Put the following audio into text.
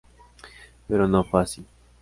Pero no fue así.